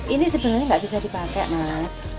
ini sebenarnya nggak bisa dipakai mas